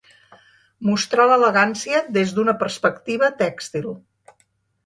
Mostrar l'elegància des d'una perspectiva tèxtil.